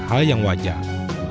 hal yang wajar